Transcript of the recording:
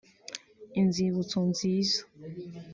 inzibutso nziza